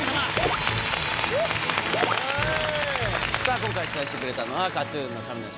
さぁ今回取材してくれたのはＫＡＴ−ＴＵＮの亀梨和也くんです。